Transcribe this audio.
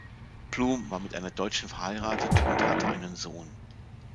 Blum war mit einer Deutschen verheiratet und hatte einen Sohn.